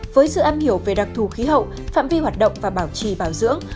với sự am hiểu về đặc thù khí hậu phạm vi hoạt động và bảo trì bảo dưỡng